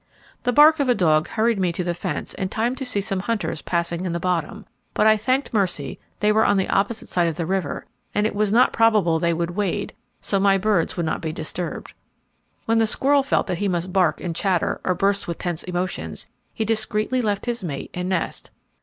The bark of a dog hurried me to the fence in time to see some hunters passing in the bottom, but I thanked mercy they were on the opposite side of the river and it was not probable they would wade, so my birds would not be disturbed. When the squirrel felt that he must bark and chatter, or burst with tense emotions, he discreetly left his mate and nest.